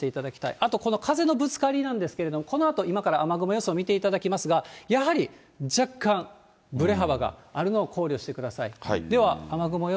あとこの風のぶつかりなんですけれども、このあと、今から雨雲予想を見ていただきますが、やはり若干ぶれ幅があるのを考慮してください。